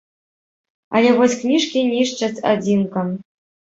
Але вось кніжкі нішчаць адзінкам.